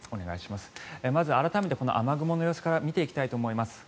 まず改めてこの雨雲の様子から見ていきたいと思います。